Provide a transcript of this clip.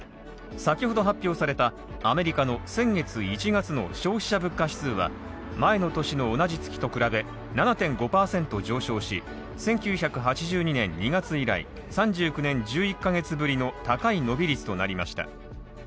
先ほど発表されたアメリカの先月１月の消費者物価指数は前の年の同じ月と比べ、７．５％上昇し１９８２年２月以来、３９年１１カ月ぶりの高い伸び率となりました。